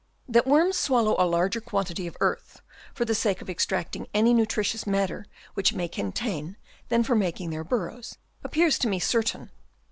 That worms swallow a larger quantity of earth for the sake of extracting any nutritious matter which it may contain than for making their burrows, appears to me certain.